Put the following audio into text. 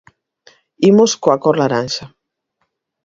Imos coa cor laranxa.